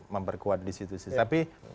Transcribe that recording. memperkuat di situ tapi